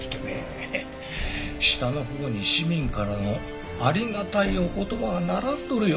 下のほうに市民からのありがたいお言葉が並んどるよ